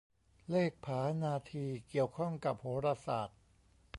เลขผานาทีเกี่ยวข้องกับโหราศาสตร์